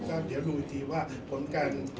ก็จะเสียชีวิตโดย